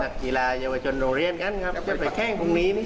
กีฬาเยาวชนโรงเรียนกันครับจะไปแข้งตรงนี้